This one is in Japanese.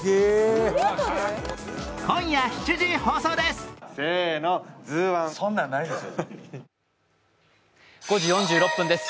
今夜７時放送です。